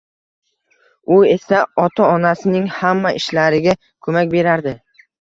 U esa ota-onasining hamma ishlariga ko`mak berardi